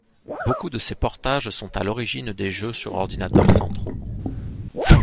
Beaucoup de ces portages sont à l'origine des jeux sur ordinateurs centraux.